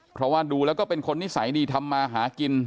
เพราะว่าดูแล้วก็เป็นคนนิสัยดีทำมาหากิน